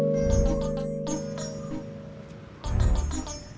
jangan lupa sama orang tuanya